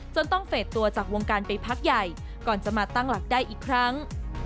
จนต้องเฟสตัวจากวงการไปพักใหญ่ก่อนจะมาตั้งหลักได้อีกครั้ง